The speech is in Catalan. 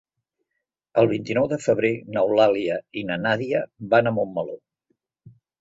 El vint-i-nou de febrer n'Eulàlia i na Nàdia van a Montmeló.